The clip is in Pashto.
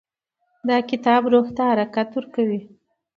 دا کتاب روح ته حرکت ورکوي.